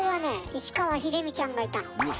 石川秀美ちゃんがいたの。